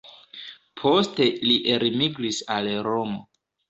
Poste li elmigris al Romo.